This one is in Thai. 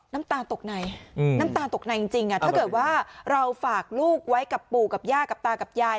น้ำตาตกในน้ำตาตกในจริงถ้าเกิดว่าเราฝากลูกไว้กับปู่กับย่ากับตากับยาย